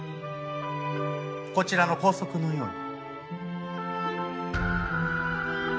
こちらの校則のように。